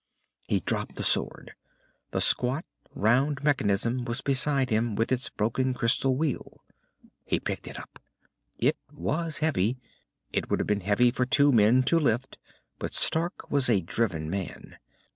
He dropped the sword. The squat, round mechanism was beside him, with its broken crystal wheel. He picked it up. It was heavy. It would have been heavy for two men to lift, but Stark was a driven man.